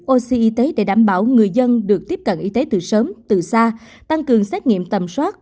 oxy y tế để đảm bảo người dân được tiếp cận y tế từ sớm từ xa tăng cường xét nghiệm tầm soát